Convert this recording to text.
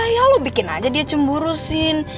ya lo bikin aja dia cemburu sin